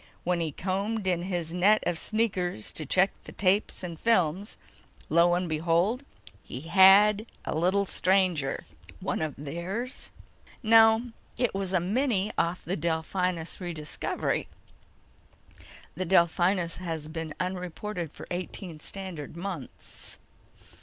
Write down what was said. When he combed in his net of sneakers to check the tapes and films, lo and behold, he had a little stranger." "One of theirs?" "No. It was a mini off the Delphinus Rediscovery. The Delphinus has been unreported for eighteen standard months!"